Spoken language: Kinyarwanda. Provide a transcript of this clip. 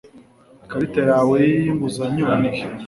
ikarita yawe y'inguzanyo irihe